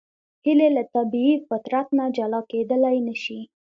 هیلۍ له طبیعي فطرت نه جلا کېدلی نشي